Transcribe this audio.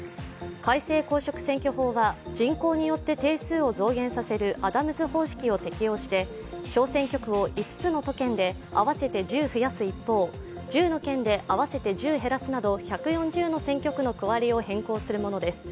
改正公職選挙法は人口によって定数を増減させるアダムズ方式を適用して、小選挙区を５つの都県で合わせて１０増やす一方、１０の県で合わせて１０減らすなど１４０の選挙区の区割りを変更するものです。